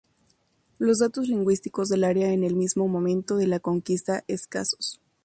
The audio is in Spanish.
Los datos lingüísticos del área en el mismo momento de la conquista escasos.